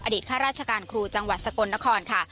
ข้าราชการครูจังหวัดสกลนครค่ะ